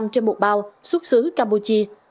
trên một bao xuất xứ campuchia